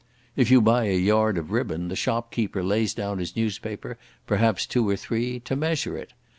If you buy a yard of ribbon, the shopkeeper lays down his newspaper, perhaps two or three, to measure it.